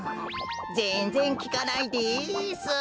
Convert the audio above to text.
ぜんぜんきかないです。